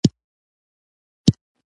ځینې وګړي بې کچې بیوزله او نیستمن دي.